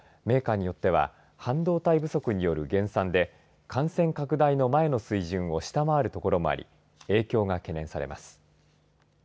ただメーカーによっては半導体不足による減産で感染拡大の前の水準を下回るところもあり影響が懸念されます。